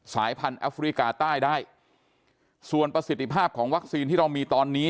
สายพันธุ์แอฟริกาใต้ได้ส่วนประสิทธิภาพของวัคซีนที่เรามีตอนนี้